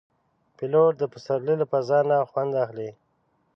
پیلوټ د پسرلي له فضا نه خوند اخلي.